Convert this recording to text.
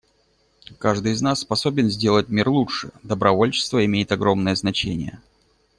Каждый из нас способен сделать мир лучше; добровольчество имеет огромное значение.